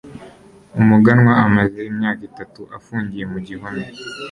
umuganwa amaze imyaka itatu afungiye mu gihome